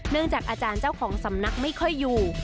จากอาจารย์เจ้าของสำนักไม่ค่อยอยู่